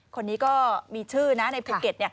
คนนี้ก็มีชื่อนะในภูเก็ต